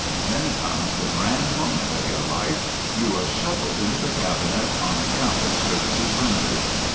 Then comes the grand moment of your life. You are shovelled into the Cabinet on account of services rendered.